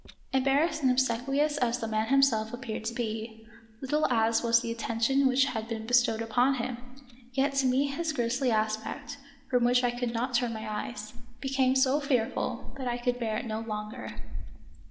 Embarrassed and obsequious as the man him self appeared to be, little as was the attention which had been bestowed upon him, yet to me his grisly aspect, from which I could not turn my eyes, became so fearful that I could bear it no longer.